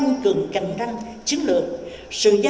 những yếu kém